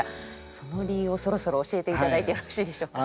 その理由をそろそろ教えていただいてよろしいでしょうか？